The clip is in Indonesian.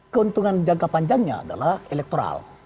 keuntungan jangka panjangnya adalah elektoral